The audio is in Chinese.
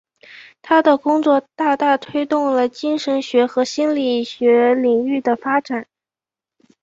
他的工作大大推动了神经学和心理学领域的发展。